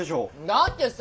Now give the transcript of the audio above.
だってさ